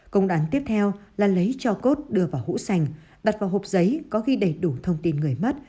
công đoán tiếp theo là lấy cho cốt đưa vào hũ sành đặt vào hộp giấy có ghi đầy đủ thông tin người mất